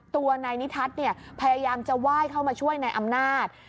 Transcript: ตัวนายนิทัศน์พยายามจะไหว้เข้ามาช่วยในอำนาจ